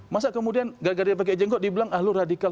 masa kemudian gagal dia pakai jengkok dibilang ahlu radikal